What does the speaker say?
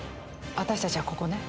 私たちはここね。